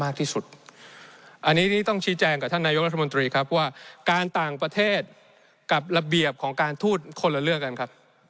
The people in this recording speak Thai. รู้เขารู้เราว่าเราต้องการอะไร